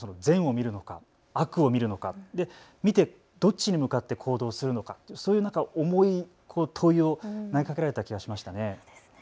善を見るのか悪を見るのか見てどっちに向かって行動するのかという重い問いを投げかけられた気がしました。